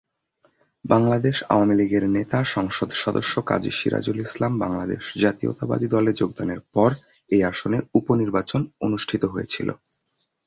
বাংলাদেশ আওয়ামীলীগের নেতা সংসদ সদস্য কাজী সিরাজুল ইসলাম বাংলাদেশ জাতীয়তাবাদী দলে যোগদানের পর এই আসনে উপ নির্বাচন অনুষ্ঠিত হয়েছিল।